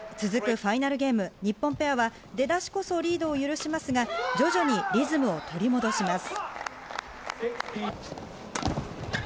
ファイナルゲーム、日本ペアは出だしこそリード許しますが、徐々にリズムを取り戻します。